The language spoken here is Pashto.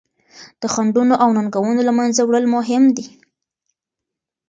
د خنډونو او ننګونو له منځه وړل مهم دي.